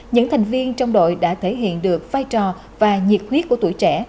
những thành viên trong đội đã thể hiện được vai trò và nhiệt huyết của tuổi trẻ